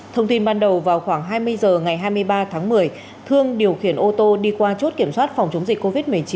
thông tin ban đầu vào khoảng hai mươi h ngày hai mươi ba tháng một mươi thương điều khiển ô tô đi qua chốt kiểm soát phòng chống dịch covid một mươi chín